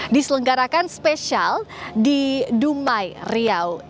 diselenggarakan spesial di dumai riau